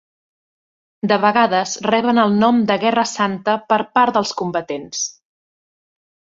De vegades reben el nom de guerra santa per part dels combatents.